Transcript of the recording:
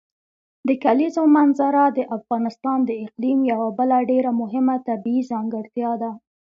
د کلیزو منظره د افغانستان د اقلیم یوه بله ډېره مهمه طبیعي ځانګړتیا ده.